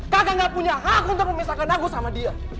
kakak gak punya hak untuk memisahkan aku sama dia